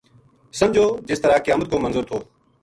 سمجھو جس طرح قیامت کو منظر تھو